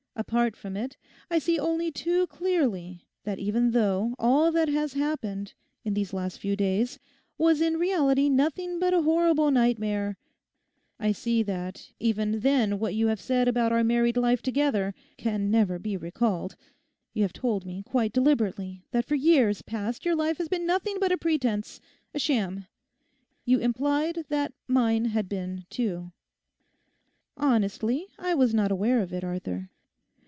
Apart from it, I see only too clearly that even though all that has happened in these last few days was in reality nothing but a horrible nightmare, I see that even then what you have said about our married life together can never be recalled. You have told me quite deliberately that for years past your life has been nothing but a pretence—a sham. You implied that mine had been too. Honestly, I was not aware of it, Arthur.